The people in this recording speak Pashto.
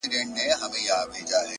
دا ټپه ورته ډالۍ كړو دواړه،